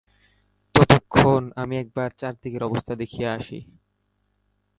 ততক্ষণ আমি একবার চারিদিকের অবস্থা দেখিয়া আসি।